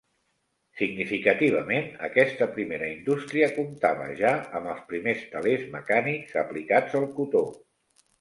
Significativament, aquesta primera indústria comptava ja amb els primers telers mecànics aplicats al cotó.